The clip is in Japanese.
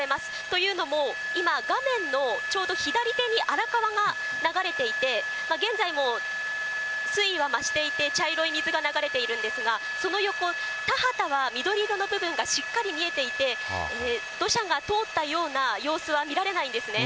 というのも今、画面のちょうど左手に荒川が流れていて、現在も水位は増していて茶色い水が流れているんですが、その横、田畑は緑色の部分がしっかり見えていて、土砂が通ったような様子は見られないんですね。